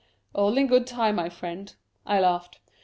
" All in good time, friend," I laughed.